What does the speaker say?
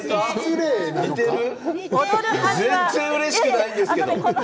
全然うれしくないんですけど。